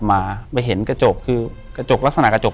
อยู่ที่แม่ศรีวิรัยิลครับ